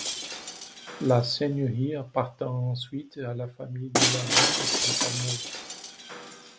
La seigneurie appartint ensuite à la famille de la Baume-Saint-Amour.